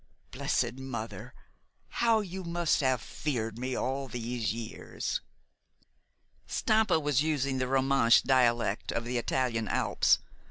Blessed Mother! How you must have feared me all these years!" Stampa was using the Romansch dialect of the Italian Alps.